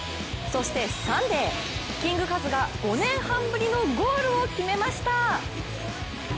そしてサンデー、キングカズが５年半ぶりのゴールを決めました！